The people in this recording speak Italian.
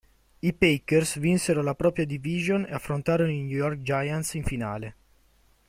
I Packers vinsero la propria division e affrontarono i New York Giants in finale.